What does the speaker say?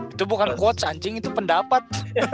itu bukan quotes anjing itu pendapat